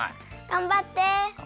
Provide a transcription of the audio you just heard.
がんばって！